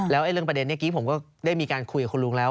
แล้วเรื่องประเด็นเมื่อกี้ผมก็ได้มีการคุยกับคุณลุงแล้ว